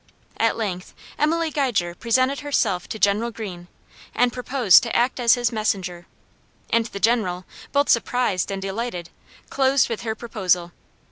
At length Emily Geiger presented herself to General Greene, and proposed to act as his messenger: and the general, both surprised and delighted, closed with her proposal.